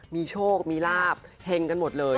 มีโชคมีลาบเห็งกันหมดเลย